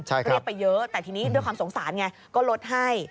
เรียกไปเยอะแต่ด้วยความสงสารก็ลดให้